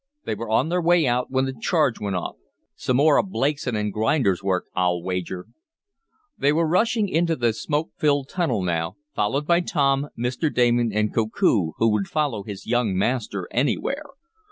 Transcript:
"They were on their way out when the charge went off. Some more of Blakeson & Grinder's work, I'll wager!" They were rushing in to the smoke filled tunnel now, followed by Tom, Mr. Damon and Koku, who would follow his young master anywhere.